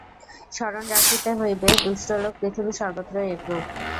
স্মরণ রাখিতে হইবে, দুষ্টলোক পৃথিবীর সর্বত্রই একরূপ।